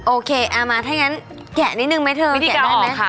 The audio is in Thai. โอเคเอามาถ้าอย่างงั้นแกะนิดนึงไหมเธอวิธีการออกค่ะ